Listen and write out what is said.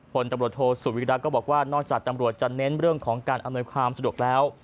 ผลตำรวจโทษสุวิรักษ์ก็บอกว่านอกจากตำรวจจะเน้นเรื่องของการอำนวยความสะดวกแล้ว